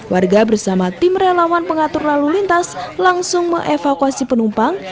warga bersama tim relawan pengatur lalu lintas langsung mengevakuasi penumpang